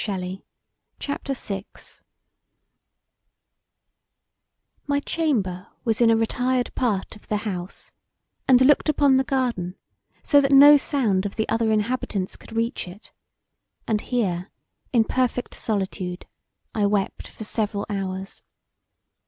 ] CHAPTER VI My chamber was in a retired part of the house, and looked upon the garden so that no sound of the other inhabitants could reach it; and here in perfect solitude I wept for several hours.